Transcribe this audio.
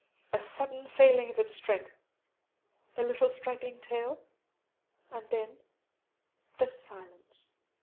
A sudden failing of its strength, a little straggling tail, and then the silence!